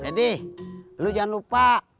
jadi lo jangan lupa